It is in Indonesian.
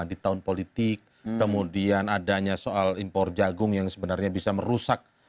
di tahun politik kemudian adanya soal impor jagung yang sebenarnya bisa merusak